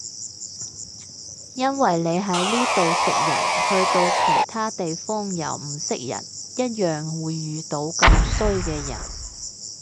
因為你喺呢度食人去到其他地方又唔識人一樣會遇到咁衰嘅人